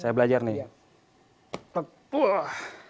saya belajar nih